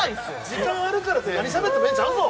時間あるからって何しゃべってもええんちゃうぞ！